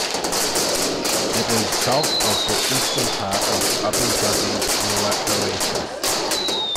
It is south of the eastern part of Abu Dhabi's Liwa Oasis.